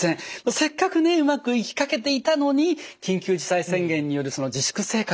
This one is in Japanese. せっかくねうまくいきかけていたのに緊急事態宣言による自粛生活